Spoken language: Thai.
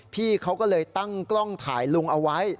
พี่เขาก็เลยตั้งกล้องถ่ายลุงเอาไว้